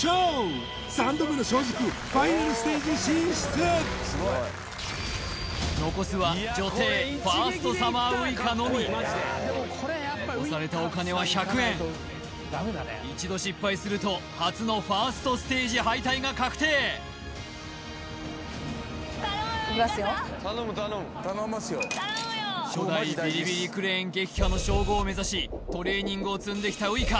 団長残すは女帝ファーストサマーウイカのみ残されたお金は１００円一度失敗すると初のファーストステージ敗退が確定初代ビリビリクレーン撃破の称号を目指しトレーニングを積んできたウイカ